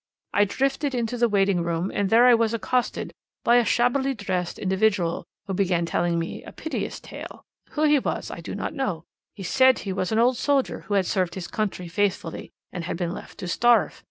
I drifted into the waiting room, and there I was accosted by a shabbily dressed individual, who began telling me a piteous tale. Who he was I do not know. He said he was an old soldier who had served his country faithfully, and then been left to starve.